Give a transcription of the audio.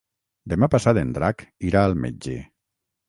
Demà passat en Drac irà al metge.